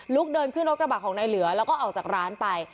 เดินขึ้นรถกระบะของนายเหลือแล้วก็ออกจากร้านไป